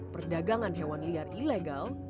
perdagangan hewan liar ilegal